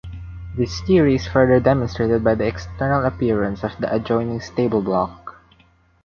This theory is further demonstrated by the external appearance of the adjoining stable block.